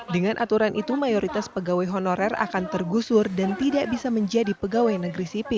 dengan aturan itu mayoritas pegawai honorer akan tergusur dan tidak bisa menjadi pegawai negeri sipil